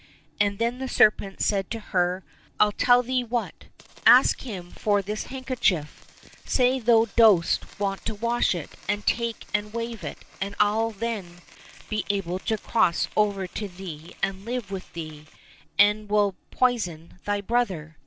— And the serpent said to her, " I tell thee what, ask him for this handkerchief ; say thou dost want to wash it, and take and wave it, and I'll then be able to cross over to thee and live with thee, and we'll poison thy brother."